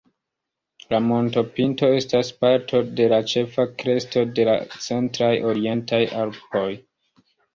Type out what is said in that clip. La montopinto estas parto de la ĉefa kresto de la centraj orientaj Alpoj.